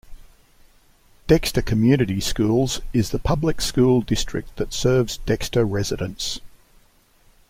"Dexter Community Schools" is the public school district that serves Dexter residents.